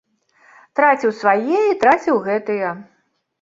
Траціў свае і траціў гэтыя.